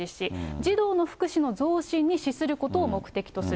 児童の福祉の増進に資することを目的とする。